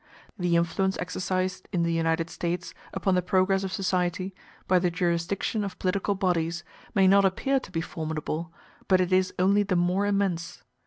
The influence exercised in the United States upon the progress of society by the jurisdiction of political bodies may not appear to be formidable, but it is only the more immense.